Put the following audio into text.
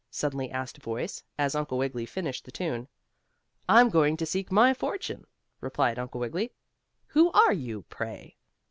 suddenly asked a voice, as Uncle Wiggily finished the tune. "I'm going to seek my fortune," replied Uncle Wiggily. "Who are you, pray?"